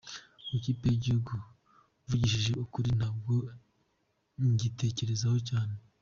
Ku ikipe y’igihugu mvugishije ukuri, ntabwo nyitekerezaho cyane.